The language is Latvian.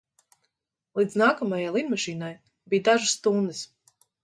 Līdz nākamajai lidmašīnai bija dažas stundas.